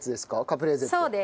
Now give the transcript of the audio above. カプレーゼって。